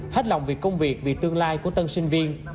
hết lòng vì công việc vì tương lai của tân sinh viên